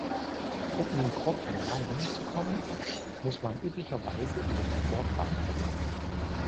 Um in den Korb hinein zu kommen, muss man üblicherweise über die Bordwand klettern.